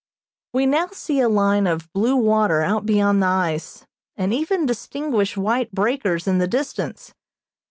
We now see a line of blue water out beyond the ice, and even distinguish white breakers in the distance.